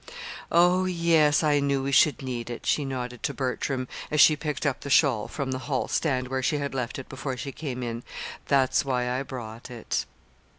"Oh, yes, I knew we should need it," she nodded to Bertram, as she picked up the shawl from the hall stand where she had left it when she came in. "That's why I brought it."